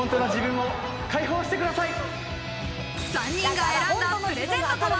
３人が選んだプレゼントとは？